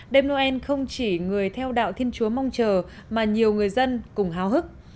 đêm noel không chỉ người theo đạo thiên chúa mong chờ mà nhiều người dân cũng hào hức